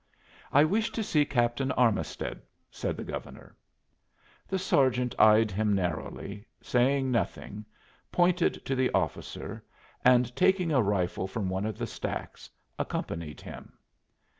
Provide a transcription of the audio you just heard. "I wish to see Captain Armisted," said the Governor. The sergeant eyed him narrowly, saying nothing, pointed to the officer, and taking a rifle from one of the stacks, accompanied him.